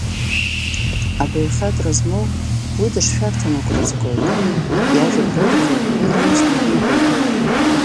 Абаҩхатәра змоу, уи дышшәарҭам агәра згоит, иажәа брыргьы, уи лымыс дук ныҟәигоит…